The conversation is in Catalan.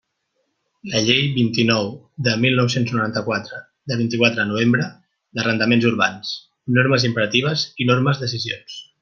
La Llei vint-i-nou de mil nou-cents noranta-quatre, de vint-i-quatre de novembre, d'arrendaments urbans: normes imperatives i normes decisions.